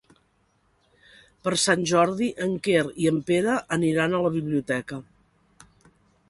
Per Sant Jordi en Quer i en Pere aniran a la biblioteca.